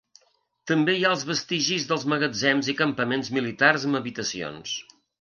També hi ha els vestigis dels magatzems i campaments militars amb habitacions.